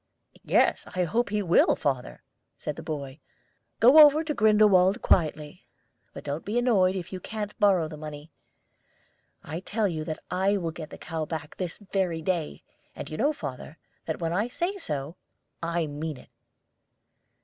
"Yes, I hope he will, father," said the boy. "Go over to Grindelwald quietly, but don't be annoyed if you can't borrow the money. I tell you that I will get the cow back this very day; and you know, father, that when I say so I mean it."